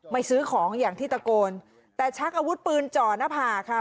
ซื้อของอย่างที่ตะโกนแต่ชักอาวุธปืนจ่อหน้าผากค่ะ